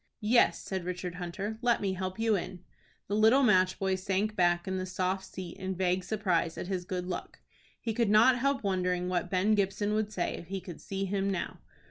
"Yes," said Richard Hunter. "Let me help you in." The little match boy sank back in the soft seat in vague surprise at his good luck. He could not help wondering what Ben Gibson would say if he could see him now.